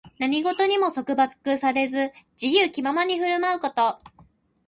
何事にも束縛されず、自由気ままに振る舞うこと。